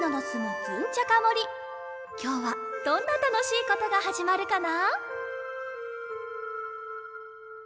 きょうはどんなたのしいことがはじまるかな？